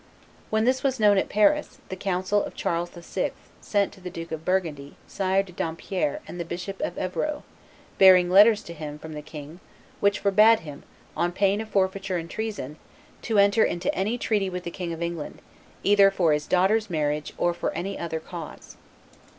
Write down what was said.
When this was known at Paris, the council of Charles VI. sent to the Duke of Burgundy Sire de Dampierre and the Bishop of Evreux bearing letters to him from the king "which forbade him, on pain of forfeiture and treason, to enter into any treaty with the King of England, either for his daughter's marriage or for any other cause."